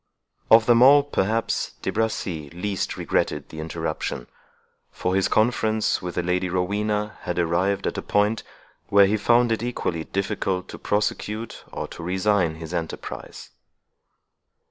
Of them all, perhaps, De Bracy least regretted the interruption; for his conference with the Lady Rowena had arrived at a point, where he found it equally difficult to prosecute or to resign his enterprise.